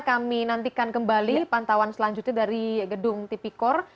kami nantikan kembali pantauan selanjutnya dari gedung tipikor